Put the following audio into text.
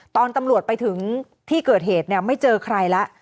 ตอนตำรวจไปถึงที่เกิดเหตุเนี่ยไม่เจอใครแล้ว